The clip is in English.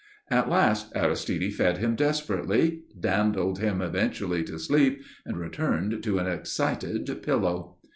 At last Aristide fed him desperately, dandled him eventually to sleep, and returned to an excited pillow.